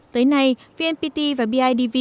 tới nay bnpt và bidv